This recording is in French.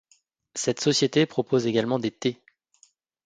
Cette société propose également des thés.